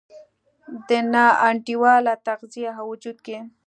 د نا انډوله تغذیې او وجود کې